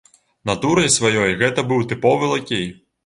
Натурай сваёй гэта быў тыповы лакей.